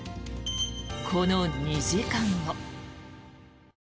この２時間後。